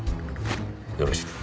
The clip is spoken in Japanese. よろしく。